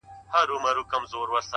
اخلاص د عمل ارزښت لوړوي؛